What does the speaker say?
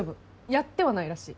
やってはないらしい。